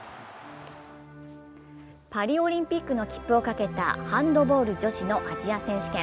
パリオリンピックの切符をかけたハンドボール女子のアジア選手権。